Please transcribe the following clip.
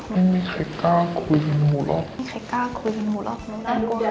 ไม่มีใครกล้าคุยกันหูหรอก